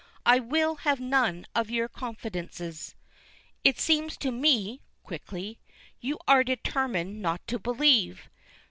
"I will have none of your confidences." "It seems to me" quickly "you are determined not to believe."